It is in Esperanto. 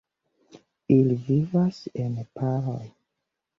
Ili vivas en paroj.